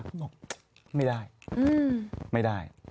เขาบอกไม่ได้ไม่ได้